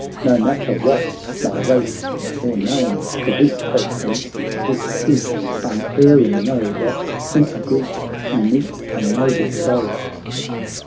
no matter what my race or name ; For this, O Prince, this truth unerring know, That in a Greek you meet a noble foe.'